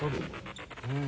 うん。